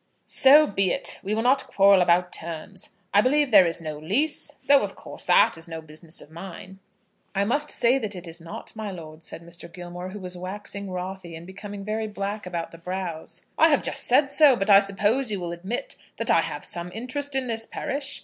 "So be it. We will not quarrel about terms. I believe there is no lease? though, of course, that is no business of mine." "I must say that it is not, my lord," said Mr. Gilmore, who was waxing wrothy and becoming very black about the brows. "I have just said so; but I suppose you will admit that I have some interest in this parish?